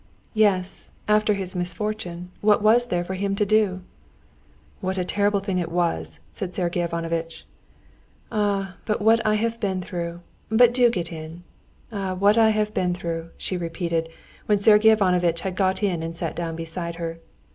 "Yes, after his misfortune, what was there for him to do?" "What a terrible thing it was!" said Sergey Ivanovitch. "Ah, what I have been through! But do get in.... Ah, what I have been through!" she repeated, when Sergey Ivanovitch had got in and sat down beside her.